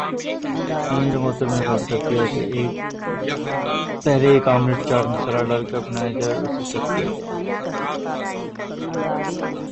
امیر محترم نے فیصلہ کیا کہ پہلے ایک آملیٹ چاٹ مصالحہ ڈال کر بنایا جائے اور اسے چیک کیا جائے